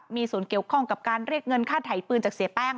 มีส่วนเกี่ยวข้องกับการเรียกเงินค่าไถปืนจากเสียแป้ง